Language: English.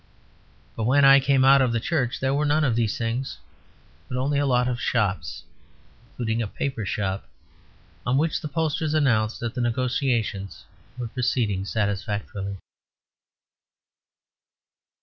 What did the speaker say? But when I came out of the church there were none of these things, but only a lot of Shops, including a paper shop, on which the posters announced that the negotiations were proceeding satisfactorily.